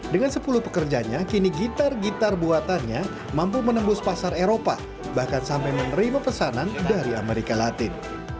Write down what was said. dengan sepuluh pekerjanya kini gitar gitar buatannya mampu menembus pasar eropa bahkan sampai menerima pesanan dari amerika latin